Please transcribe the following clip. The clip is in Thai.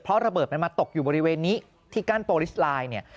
เพราะระเบิดมันมาตกอยู่บริเวณนี้ที่กั้นโปรลิสไลน์เนี่ย